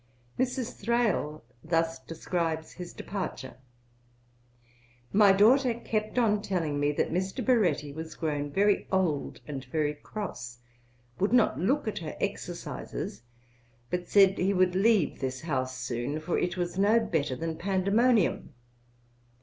Prior's Malone, p. 391. Mrs. Thrale thus describes his departure: 'My daughter kept on telling me that Mr. Baretti was grown very old and very cross, would not look at her exercises, but said he would leave this house soon, for it was no better than Pandæmonium.